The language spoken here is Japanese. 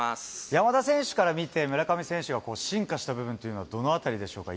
山田選手から見て、村上選手が進化した部分というのは、どのあたりでしょうか。